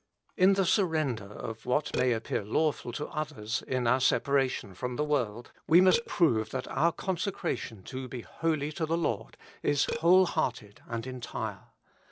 In the surrender of what may appear lawful to others in our separation from the world, we must prove that our consecration to be holy to the Lord is whole hearted and entire.